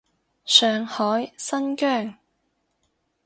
上海，新疆